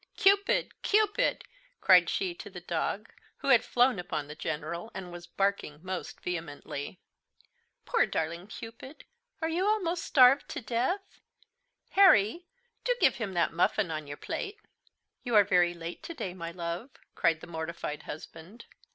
"Cupid, Cupid!" cried she to the dog, who had flown upon the General, and was barking most vehemently. "Poor darling Cupid! are you almost starved to death? Harry, do give him that muffin on your plate." "You are very late to day, my love," cried the mortified husband.